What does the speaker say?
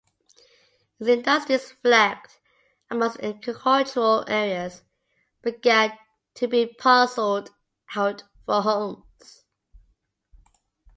Its industries flagged, and most agricultural areas began to be parcelled out for homes.